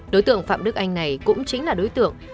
đối tượng phạm đức anh này cũng chính là đối tượng